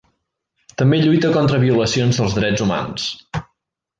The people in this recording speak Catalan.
També lluita contra violacions dels drets humans.